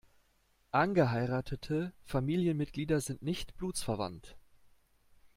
Angeheiratete Familienmitglieder sind nicht blutsverwandt.